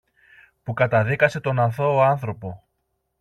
που καταδίκασε τον αθώο άνθρωπο.